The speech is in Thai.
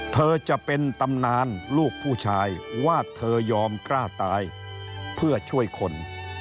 เธอจะเป็นตำนานลูกผู้ชายว่าเธอยอมกล้าตายเพื่อช่วยคน